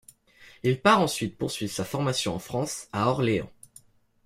Il part ensuite poursuivre sa formation en France, à Orléans.